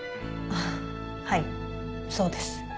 あっはいそうです。